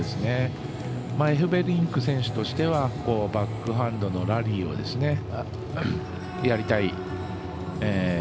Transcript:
エフベリンク選手としてはバックハンドのラリーをやりたい。